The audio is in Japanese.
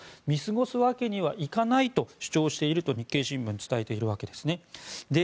見過ごすわけにはいかないと主張していると日経新聞は伝えています。